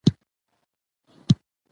مجاهد د تاریخ یوه ویاړلې څېره ده.